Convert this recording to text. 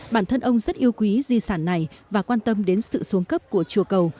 bản thân ông rất yêu quý di sản này và quan tâm đến sự xuống cấp của chùa cầu